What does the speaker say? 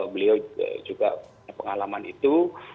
beliau juga pengalaman itu